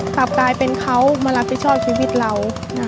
ต่อไปเป็นเขามารับผิดชอบชีวิตเรา